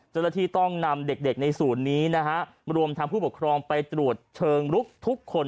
เจ้าหน้าที่ต้องนำเด็กในศูนย์นี้นะฮะรวมทั้งผู้ปกครองไปตรวจเชิงลุกทุกคน